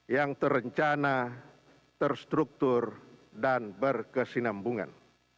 yang terencana terstruktur dan berkesinambungan